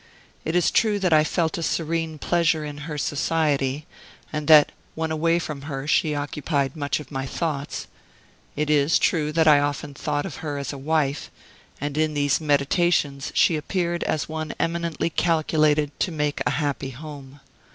It is true that I felt a serene pleasure in her society, and that when away from her she occupied much of my thoughts. It is true that I often thought of her as a wife; and in these meditations she appeared as one eminently calculated to make a happy home.